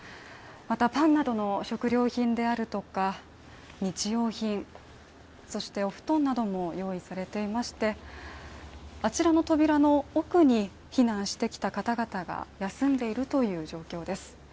またパンなどの食料品であるとか日用品、そしてお布団なども用意されていましてあちらの扉の奥に避難してきた方々が休んでいるという状況です。